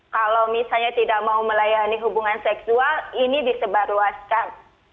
kalau misalnya tidak mau melayani hubungan seksual ini disebarluaskan